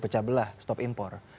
pecah belah stop impor